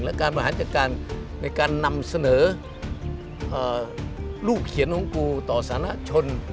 และการบริหารจัดการในการนำเสนอรูปเขียนของกูต่อสารชน